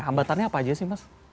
hambatannya apa aja sih mas